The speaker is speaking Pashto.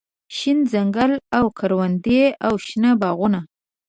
شين ځنګل او کروندې او شنه باغونه